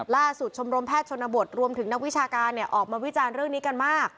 ชมรมแพทย์ชนบทรวมถึงนักวิชาการออกมาวิจารณ์เรื่องนี้กันมาก